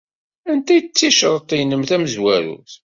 Anta ay d ticreḍt-nnem tamezwarut?